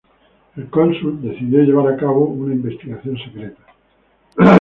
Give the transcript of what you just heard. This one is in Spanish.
El cónsul decidió llevar a cabo una investigación secreta.